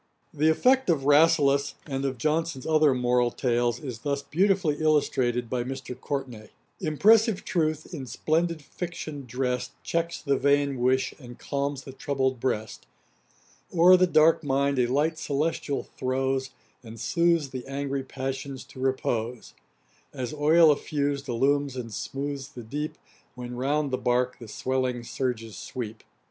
A.D. 1759.] The effect of Rasselas, and of Johnson's other moral tales, is thus beautifully illustrated by Mr. Courtenay: 'Impressive truth, in splendid fiction drest, Checks the vain wish, and calms the troubled breast; O'er the dark mind a light celestial throws, And sooths the angry passions to repose; As oil effus'd illumes and smooths the deep, When round the bark the swelling surges sweep.' [Page 345: The Idler pirated. Ætat 50.